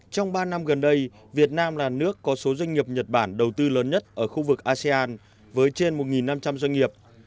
trong ba năm gần đây việt nam là nước có số doanh nghiệp nhật bản đầu tư lớn nhất ở khu vực asean với trên một năm trăm linh doanh nghiệp